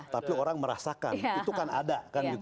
tapi orang merasakan itu kan ada